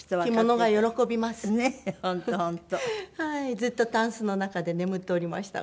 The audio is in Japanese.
ずっとたんすの中で眠っておりましたが。